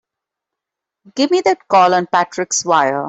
Give me that call on Patrick's wire!